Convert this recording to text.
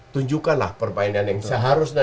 tunjukkanlah permainan yang seharusnya